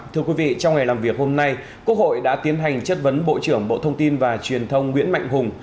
thưa quý vị trong ngày làm việc hôm nay quốc hội đã tiến hành chất vấn bộ trưởng bộ thông tin và truyền thông nguyễn mạnh hùng